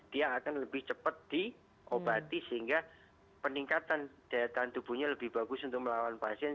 dia akan lebih cepat diobati sehingga peningkatan daya tahan tubuhnya lebih bagus untuk melawan pasien